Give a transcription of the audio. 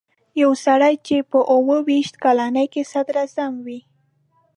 یو سړی چې په اووه ویشت کلنۍ کې صدراعظم وي.